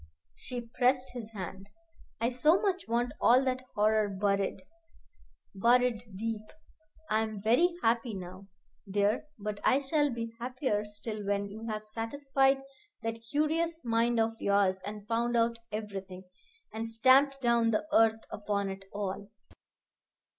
She pressed his hand. "I so much want all that horror buried buried deep. I am very happy now, dear, but I shall be happier still when you have satisfied that curious mind of yours and found out everything, and stamped down the earth upon it all."